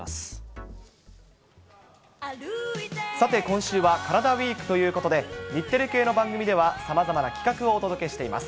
さて、今週はカラダＷＥＥＫということで、日テレ系の番組では、さまざまな企画をお届けしています。